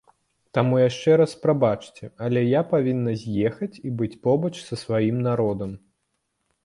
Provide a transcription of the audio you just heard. Таму яшчэ раз прабачце, але я павінна з'ехаць і быць побач са сваім народам.